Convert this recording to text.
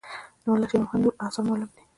د ملا شیر محمد نور آثار معلوم دي.